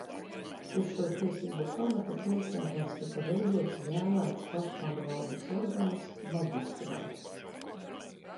Uz šo tiesību pamata pilsētās tika veidots vēlēts pašpārvaldes orgāns maģistrāts.